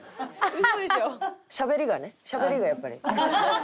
しゃべりがねしゃべりがやっぱり。